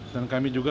dan kami juga